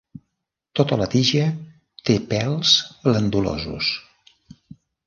Tota la tija té pèls glandulosos.